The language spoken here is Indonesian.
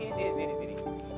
ini piangnya jerk singa